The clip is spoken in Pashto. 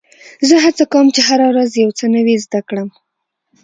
زه هڅه کوم، چي هره ورځ یو څه نوی زده کړم.